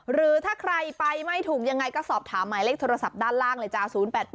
หรือถ้าใครไปไม่ถูกยังไงก็สอบถามหมายเลขโทรศัพท์ด้านล่างเลยจ้า๐๘๘